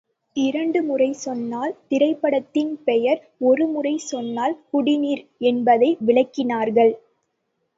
இரண்டு முறை சொன்னால் திரைப்படத்தின் பெயர் ஒரு முறை சொன்னால் குடிநீர் என்பதை விளக்கினார்கள்.